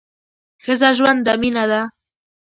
ښځه ژوند ده ، مینه ده